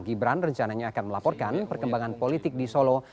gibran rencananya akan melaporkan perkembangan politik di solo